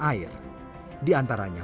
air di antaranya